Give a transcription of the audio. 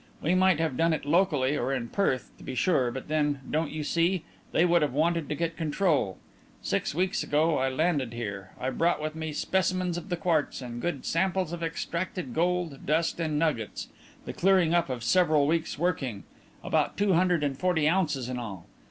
We might have done it locally or in Perth, to be sure, but then, don't you see, they would have wanted to get control. Six weeks ago I landed here. I brought with me specimens of the quartz and good samples of extracted gold, dust and nuggets, the clearing up of several weeks' working, about two hundred and forty ounces in all.